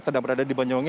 sedang berada di banyuwangi